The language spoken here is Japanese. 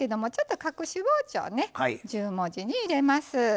隠し包丁を十文字に入れます。